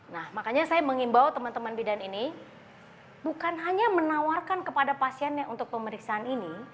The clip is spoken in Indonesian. nah makanya saya mengimbau teman teman bidan ini bukan hanya menawarkan kepada pasiennya untuk pemeriksaan ini